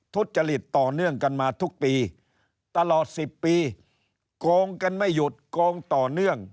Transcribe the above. ทุจริตต่อเนื่องกันมาทุกปีตลอด๑๐ปีโกงกันไม่หยุดโกงต่อเนื่อง